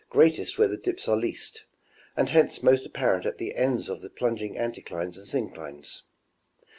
greatest where the dips are least, and hence most apparent at the ends of the plunging anticlines and synclines.